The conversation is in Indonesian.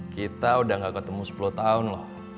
kita udah gak ketemu sepuluh tahun loh